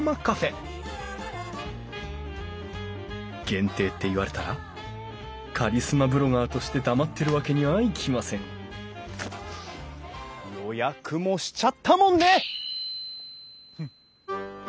限定って言われたらカリスマブロガーとして黙ってるわけにはいきません予約もしちゃったもんね！